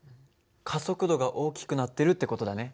加速度が大きくなってるって事だね。